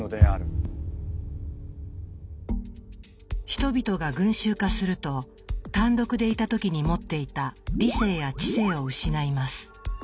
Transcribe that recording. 人々が群衆化すると単独でいた時に持っていた理性や知性を失います。